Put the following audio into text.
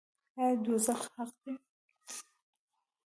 آیا دوزخ حق دی؟